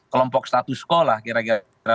kelompok status sekolah kira kira